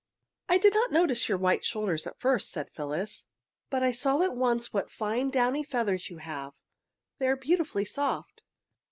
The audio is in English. "I did not notice your white shoulders at first," said Phyllis, "but I saw at once what fine downy feathers you have. They are beautifully soft.